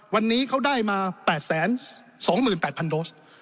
วันนี้เขาได้มา๘๒๘๐๐โดส